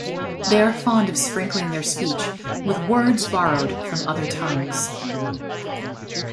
They are fond of sprinkling their speech with words borrowed from other tongues.